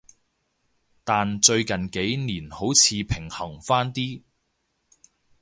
但最近幾年好似平衡返啲